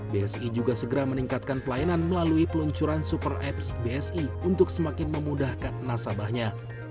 bsi juga segera meningkatkan pelayanan melalui peluncuran super apps bsi untuk semakin memudahkan nasabahnya